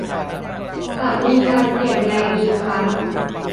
จะมีการเปลี่ยนแปลงอีกครั้ง